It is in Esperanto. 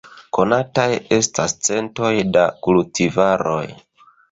Konataj estas centoj da kultivaroj.